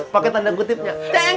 pake tanda kutipnya